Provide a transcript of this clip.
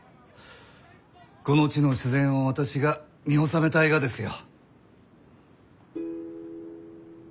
この地の自然を私が見納めたいがですよ。